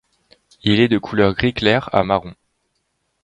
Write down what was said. Il est de couleur gris clair à marron.